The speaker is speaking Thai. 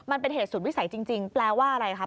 มันเป็นเหตุสุดวิสัยจริงแปลว่าอะไรคะ